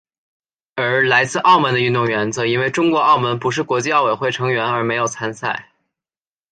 而来自澳门的运动员则因为中国澳门不是国际奥委会成员而没有参赛。